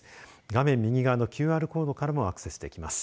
画面右側のＱＲコードからもアクセスできます。